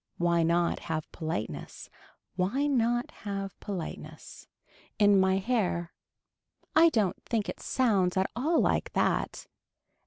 Why not have politeness. Why not have politeness. In my hair. I don't think it sounds at all like that.